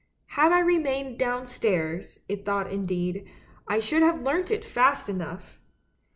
" Had I remained downstairs," it thought indeed, " I should have learnt it fast enough!